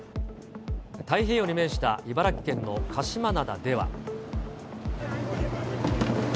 太平洋に面した茨城県の鹿島灘では。